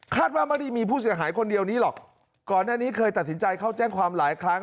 ว่าไม่ได้มีผู้เสียหายคนเดียวนี้หรอกก่อนหน้านี้เคยตัดสินใจเข้าแจ้งความหลายครั้ง